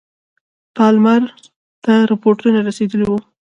پالمر ته رپوټونه رسېدلي وه.